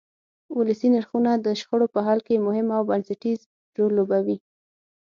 ولسي نرخونه د شخړو په حل کې مهم او بنسټیز رول لوبوي.